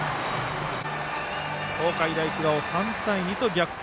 東海大菅生、３対２と逆転。